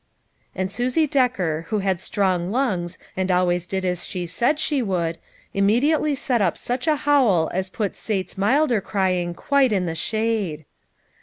And Susie Decker who had strong lungs and o o always did as she said she would, immediately set up such a howl as put Sate's milder crying quite in the shade.